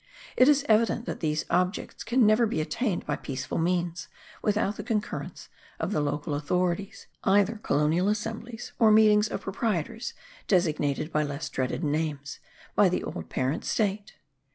It is evident that these objects can never be attained by peaceful means, without the concurrence of the local authorities, either colonial assemblies, or meetings of proprietors designated by less dreaded names, by the old parent state.